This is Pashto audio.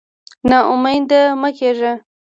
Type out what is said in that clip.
نا امېد مه کېږه.